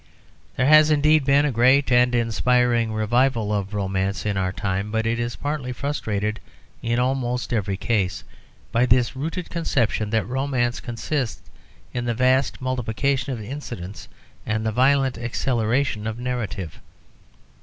There has, indeed, been a great and inspiriting revival of romance in our time, but it is partly frustrated in almost every case by this rooted conception that romance consists in the vast multiplication of incidents and the violent acceleration of narrative.